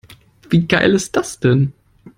Wie geil ist das denn?